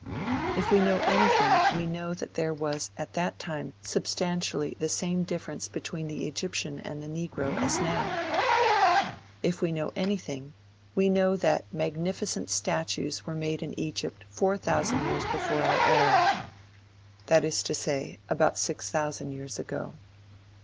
If we know anything, we know that there was at that time substantially the same difference between the Egyptian and the Negro as now. If we know anything, we know that magnificent statues were made in Egypt four thousand years before our era that is to say, about six thousand years ago.